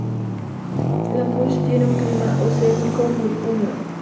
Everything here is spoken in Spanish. La Push tiene un clima oceánico muy húmedo.